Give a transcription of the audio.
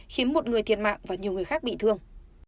khiến một người thiệt mạng và nhiều người khác bị thương